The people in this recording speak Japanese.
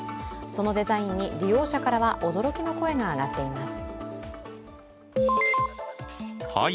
そのデザインに利用者からは驚きの声が上がっています。